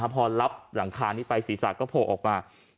พอรับหลังคานี้ไปศีรษะก็โผล่ออกมา